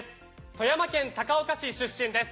富山県高岡市出身です。